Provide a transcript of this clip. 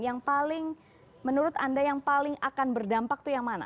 yang paling menurut anda yang paling akan berdampak itu yang mana